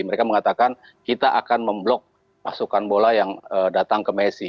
mereka mengatakan kita akan memblok pasukan bola yang datang ke messi